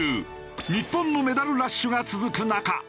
日本のメダルラッシュが続く中。